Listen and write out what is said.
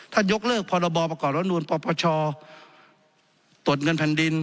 ยกเลิกพรบประกอบรัฐนูลปชตรวจเงินแผ่นดิน